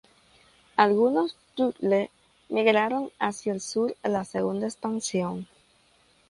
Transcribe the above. Algunos Thule migraron hacia el sur en la segunda expansión.